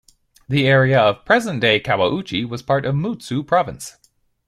The area of present-day Kawauchi was part of Mutsu Province.